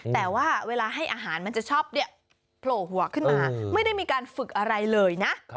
แต่ว่าเวลาให้อาหารมันจะชอบโผล่หัวขึ้นมาไม่ได้มีการฝึกอะไรเลยนะ